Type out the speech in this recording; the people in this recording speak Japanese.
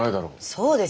そうですよ！